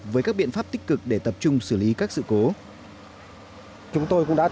với các biện pháp tích cực để tập trung xử lý các sự cố